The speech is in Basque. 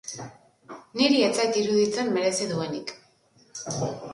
Niri ez zait iruditzen merezi duenik.